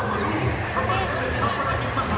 ขอบคุณสไตล์รุ่นรับวันมาก